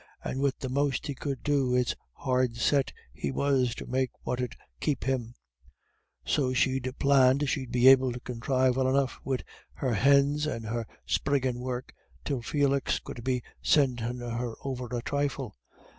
And wid the most he could do it's hard set he was to make what 'ud keep him. So she'd planned she'd be able to conthrive well enough wid her hins and her spriggin' work, till Felix could be sendin' her over a thrifle.